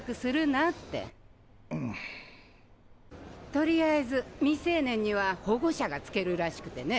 とりあえず未成年には保護者がつけるらしくてね。